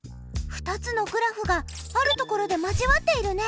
２つのグラフがあるところで交わっているね。